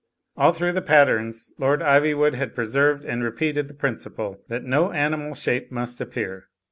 All through the patterns Lord Ivywood had preserved and repeated the principle that no animal shape must appear.